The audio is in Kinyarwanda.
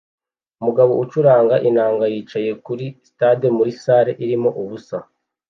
Umugabo ucuranga inanga yicaye kuri stade muri salle irimo ubusa